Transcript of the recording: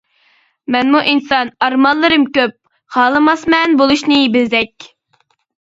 مەنمۇ ئىنسان ئارمانلىرىم كۆپ، خالىماسمەن بولۇشنى بېزەك.